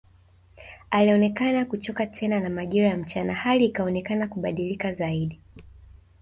Alionekana kuchoka tena na majira ya mchana hali ikaonekana kubadilika zaidi